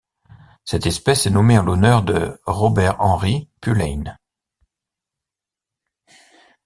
Cette espèce est nommée en l'honneur de Robert Henry Pulleine.